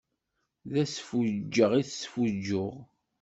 D asfuǧǧeɣ i tesfuǧǧuɣ.